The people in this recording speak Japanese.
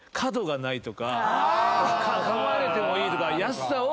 かまれてもいいとか。